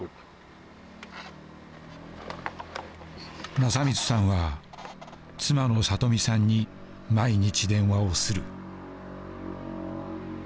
正光さんは妻の里美さんに毎日電話をする。